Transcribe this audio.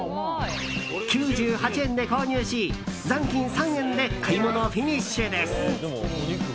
９８円で購入し、残金３円で買い物フィニッシュです。